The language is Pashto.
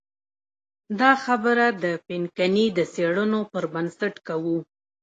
دا خبره د پینکني د څېړنو پر بنسټ کوو.